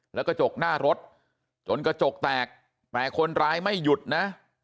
แล้วกระจกหน้ารถจนกระจกแตกแต่คนร้ายไม่หยุดนะ